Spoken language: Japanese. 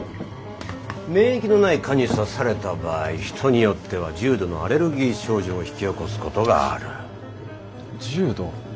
免疫のない蚊に刺された場合人によっては重度のアレルギー症状を引き起こすことがある。